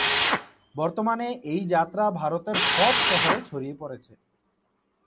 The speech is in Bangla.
বর্তমানে এই যাত্রা ভারতের সব শহরে ছড়িয়ে পড়েছে।